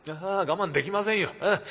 あ我慢できませんよ。